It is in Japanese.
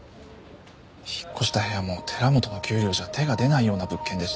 引っ越した部屋も寺本の給料じゃ手が出ないような物件でしたし。